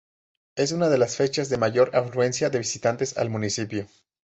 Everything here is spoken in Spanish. Es una de las fechas de mayor afluencia de visitantes al municipio.